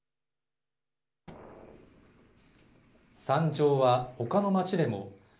惨状はほかの町でも。